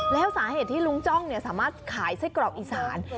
แล้วสาเหตุที่ลุงจ้องสามารถขายไส้กรอกอีสาน